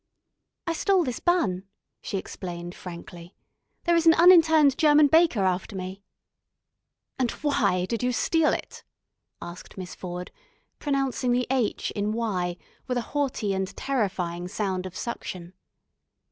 "I stole this bun," she explained frankly. "There is an uninterned German baker after me." "And why did you steal it?" asked Miss Ford, pronouncing the H in "why" with a haughty and terrifying sound of suction.